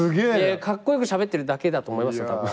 カッコ良くしゃべってるだけだと思いますよたぶん。